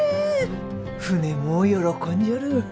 船も喜んじょる。